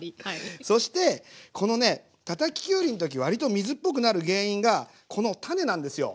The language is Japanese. そしてこのねたたききゅうりの時割と水っぽくなる原因がこの種なんですよ。